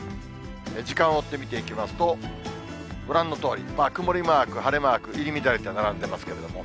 時間を追って見ていきますと、ご覧のとおり、曇りマーク、晴れマーク、入り乱れて並んでますけども。